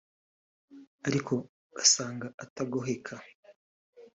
ariko ugasanga atagoheka